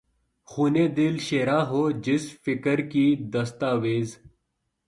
خون دل شیراں ہو، جس فقر کی دستاویز